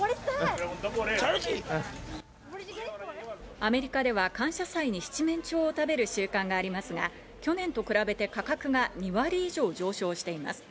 アメリカでは感謝祭に七面鳥を食べる習慣がありますが、去年と比べて価格が２割以上、上昇しています。